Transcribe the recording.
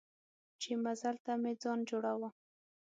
چې مزل ته مې ځان جوړاوه.